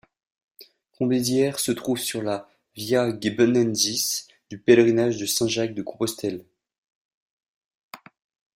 Compesières se trouve sur la via Gebennensis du pèlerinage de Saint-Jacques-de-Compostelle.